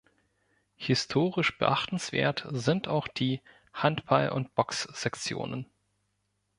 Historisch beachtenswert sind auch die Handball- und Box-Sektionen.